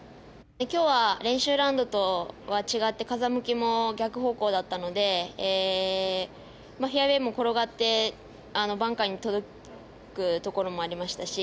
今日は練習ラウンドとは違って風向きも逆方向だったのでフェアウェーも転がってバンカーに届くところもありましたし。